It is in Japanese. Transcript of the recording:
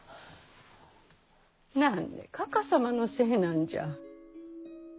何でかか様のせいなんじゃ。